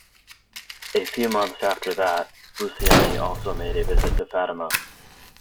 A few months after that, Luciani also made a visit to Fatima.